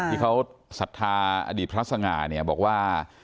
ที่เขาสัทธาอดีตพระสง่าบอกว่า